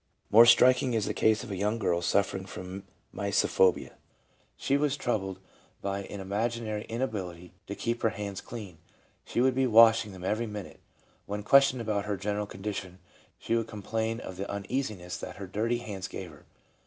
More striking is the case of a young girl suffering from mysophobia. * She was troubled by an imaginary in ability to keep her hands clean ; she would be washing them every minute. When questioned about her general condi tion, she would complain of the uneasiness that her dirty hands gave her.